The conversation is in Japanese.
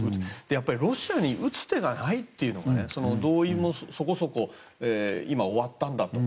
ロシアに打つ手がないという動員もそこそこ今、終わったんだと。